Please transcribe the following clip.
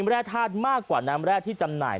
แร่ธาตุมากกว่าน้ำแร่ที่จำหน่าย